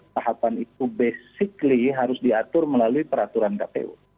tahapan itu basically harus diatur melalui peraturan kpu